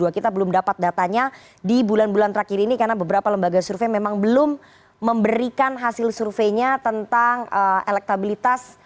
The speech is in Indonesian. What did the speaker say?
kita belum dapat datanya di bulan bulan terakhir ini karena beberapa lembaga survei memang belum memberikan hasil surveinya tentang elektabilitas